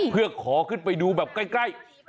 เพื่อขอขึ้นไปดูแบบใกล้